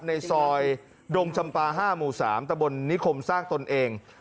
ในซอยดงจำปา๕หมู่๓ตะบนนิคมสร้างตนเอง